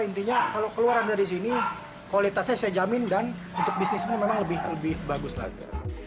intinya kalau keluaran dari sini kualitasnya saya jamin dan untuk bisnisnya memang lebih bagus lagi